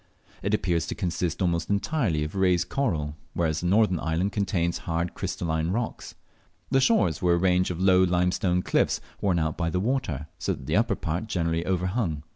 It appears to consist almost entirely of raised coral, whereas the northern island contains hard crystalline rocks. The shores were a range of low limestone cliffs, worn out by the water, so that the upper part generally overhung.